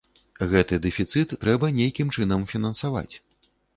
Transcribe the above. Гэты дэфіцыт трэба нейкім чынам фінансаваць.